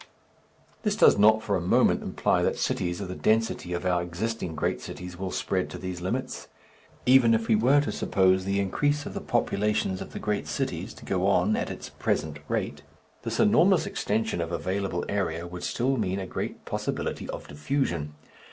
This does not for a moment imply that cities of the density of our existing great cities will spread to these limits. Even if we were to suppose the increase of the populations of the great cities to go on at its present rate, this enormous extension of available area would still mean a great possibility of diffusion.